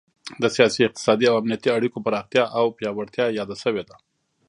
د سیاسي، اقتصادي او امنیتي اړیکو پراختیا او پیاوړتیا یاده شوې ده